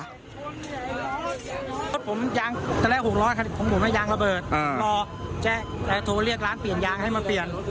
รถผมยางตั้งแต่ละ๖ล้อผมเอายางระเบิดรอแทรกโทรเรียกร้านเปลี่ยนยางให้มาเปลี่ยน